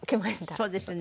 そうですよね。